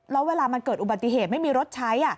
แล้วเวลามันเกิดอุบัติเหตุไม่มีรถใช้